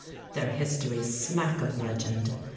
Their histories smack of legend.